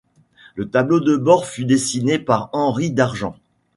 Le tableau de bord fut dessiné par Henry Dargent.